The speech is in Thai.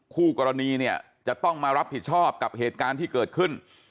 คู่กรณีเนี่ยจะต้องมารับผิดชอบกับเหตุการณ์ที่เกิดขึ้น